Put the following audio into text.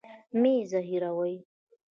مه مي زهيروه.